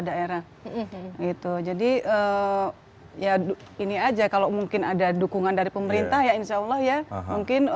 daerah itu jadi ya ini aja kalau mungkin ada dukungan dari pemerintah ya insya allah ya mungkin